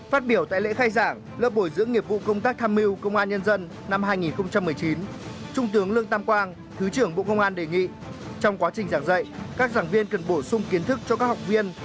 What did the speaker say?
phát biểu tại lễ khai giảng lớp bồi dưỡng nghiệp vụ công tác tham mưu công an nhân dân năm hai nghìn một mươi chín trung tướng lương tam quang thứ trưởng bộ công an đề nghị trong quá trình giảng dạy các giảng viên cần bổ sung kiến thức cho các học viên